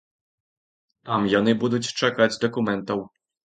Там яны будуць чакаць дакументаў.